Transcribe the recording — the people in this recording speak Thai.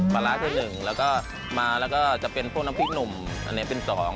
ปลาร้าที่๑แล้วก็มาแล้วก็จะเป็นพวกน้ำพริกหนุ่มอันนี้เป็น๒